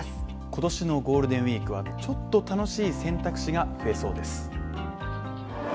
今年のゴールデンウィークはちょっと楽しい選択肢が増えそうです。